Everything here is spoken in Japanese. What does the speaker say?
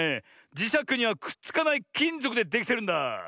じしゃくにはくっつかないきんぞくでできてるんだ。